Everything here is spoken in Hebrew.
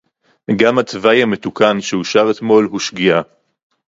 גם התוואי המתוקן שאושר אתמול הוא שגיאה